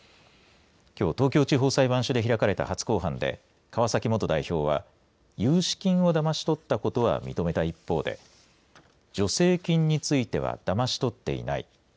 きょう東京地方裁判所で行われた初公判で川崎元代表は融資金をだまし取ったことは認めた一方で助成金についてはだまし取っていない。